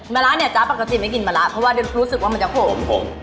ระเนี่ยจ๊ะปกติไม่กินมะละเพราะว่ารู้สึกว่ามันจะขม